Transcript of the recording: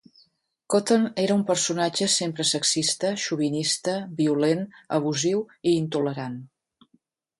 Cotton era un personatge sempre sexista, xovinista, violent, abusiu i intolerant.